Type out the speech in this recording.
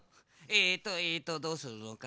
えとえとどうするのかな。